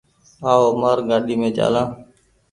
آئو مآر گآڏي مين چآلآن ۔